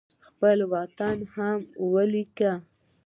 خپل وطن هم لیکم.